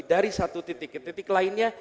dari satu titik ke titik lainnya